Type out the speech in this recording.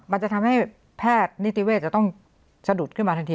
มันจะทำให้แพทย์นิติเวศจะต้องสะดุดขึ้นมาทันที